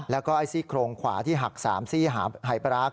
แล้วก็ไอ้ซี่โครงขวาที่หัก๓หายปราก